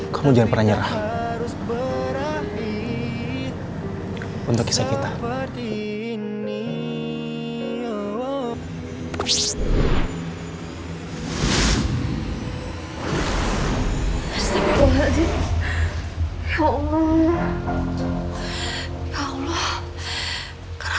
kamu harus berakhir